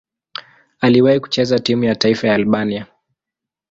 Aliwahi kucheza timu ya taifa ya Albania.